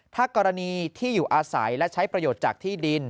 ถ้ากรณีที่อยู่อาศัยและใช้ประโยชน์จากที่ดิน